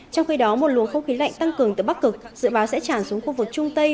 trong khi đó một luồng không khí lạnh tăng cường từ bắc cực dự báo sẽ tràn xuống khu vực trung tây